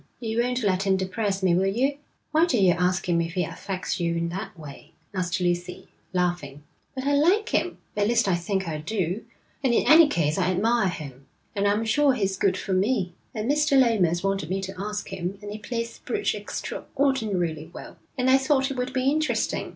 You won't let him depress me, will you?' 'Why did you ask him if he affects you in that way?' asked Lucy, laughing. 'But I like him at least I think I do and in any case, I admire him, and I'm sure he's good for me. And Mr. Lomas wanted me to ask him, and he plays bridge extraordinarily well. And I thought he would be interesting.